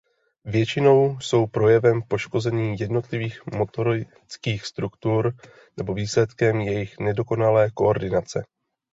Většinou jsou projevem poškození jednotlivých motorických struktur nebo výsledkem jejich nedokonalé koordinace.